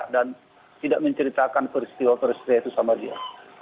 dan tidak menceritakan peristiwa peristiwa itu sama dia